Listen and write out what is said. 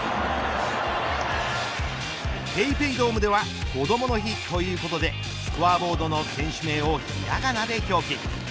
ＰａｙＰａｙドームではこどもの日ということでスコアボードの選手名をひらがなで表記。